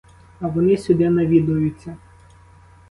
А вони сюди навідуються.